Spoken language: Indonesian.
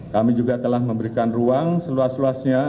kami juga telah memberikan ruang seluas luasnya